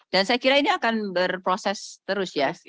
dan saya kira ini akan berproses terus ya